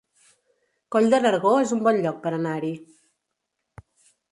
Coll de Nargó es un bon lloc per anar-hi